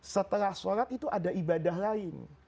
setelah sholat itu ada ibadah lain